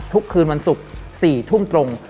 คืนวันศุกร์๔ทุ่มตรง